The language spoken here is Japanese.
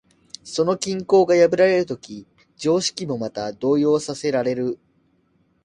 その均衡が破られるとき、常識もまた動揺させられる。